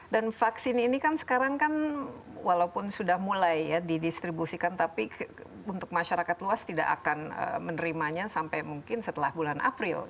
dan vaksin ini kan sekarang walaupun sudah mulai didistribusikan tapi untuk masyarakat luas tidak akan menerimanya sampai mungkin setelah bulan april